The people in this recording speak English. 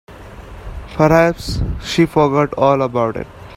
Perhaps she forgot all about it.